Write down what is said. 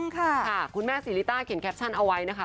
ค่ะคุณแม่ศรีลิต้าเขียนแคปชั่นเอาไว้นะคะ